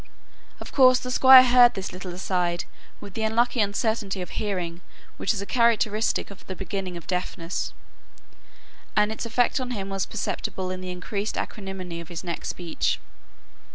Of course the Squire heard this little aside with the unlucky uncertainty of hearing which is a characteristic of the beginning of deafness; and its effect on him was perceptible in the increased acrimony of his next speech.